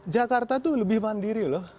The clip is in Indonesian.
jakarta tuh lebih mandiri loh